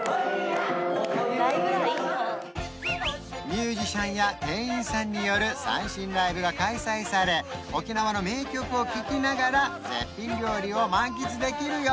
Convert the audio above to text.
ミュージシャンや店員さんによる三線ライブが開催され沖縄の名曲を聴きながら絶品料理を満喫できるよ！